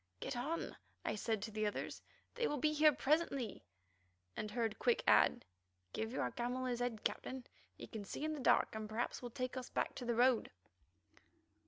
"Get on," I said to the others; "they will be here presently," and heard Quick add: "Give your camel his head, Captain; he can see in the dark, and perhaps will take us back to the road."